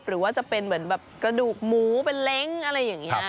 หรือว่าจะเป็นเหมือนแบบกระดูกหมูเป็นเล้งอะไรอย่างนี้